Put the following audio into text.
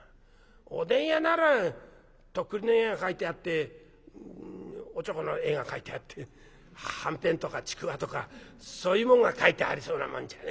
おでん屋ならとっくりの絵が描いてあっておちょこの絵が描いてあってはんぺんとかちくわとかそういうもんが描いてありそうなもんじゃねえか。